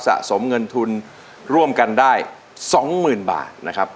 สะสมเงินทุนร่วมกันได้สองหมื่นบาทนะครับ